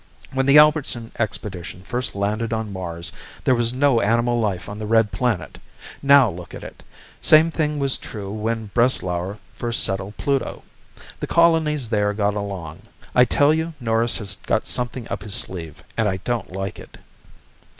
"When the Albertson expedition first landed on Mars, there was no animal life on the red planet. Now look at it. Same thing was true when Breslauer first settled Pluto. The colonies there got along. I tell you Norris has got something up his sleeve, and I don't like it."